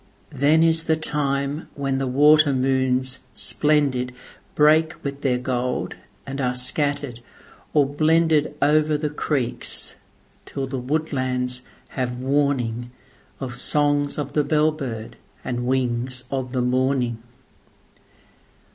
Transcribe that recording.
Then is the time when the water moons splendidBreak with their gold, and are scattered or blendedOver the creeks, till the woodlands have warningOf songs of the bell bird and wings of the morning.